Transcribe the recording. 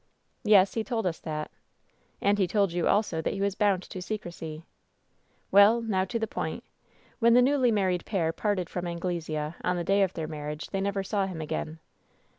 "Yes, he told us that." "And he told you also that he was bound to secrecy." WHEN SHADOWS DIE 246 '^He did/' "Well, now to the point. When the newly married pair parted from Anglesea, on the day of their marriage, they never saw him again."